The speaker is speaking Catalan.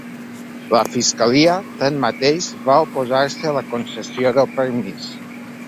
La fiscalia, tanmateix, va oposar-se a la concessió del permís.